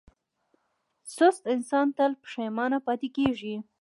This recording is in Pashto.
سست انسان تل پښېمانه پاتې کېږي.